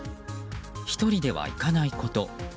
１人では行かないこと。